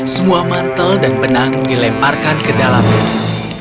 semua mantel dan benang dilemparkan ke dalam mesin